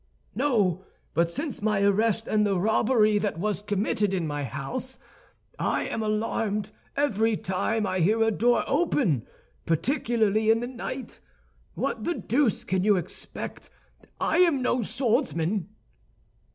"No; but since my arrest and the robbery that was committed in my house, I am alarmed every time I hear a door open, particularly in the night. What the deuce can you expect? I am no swordsman."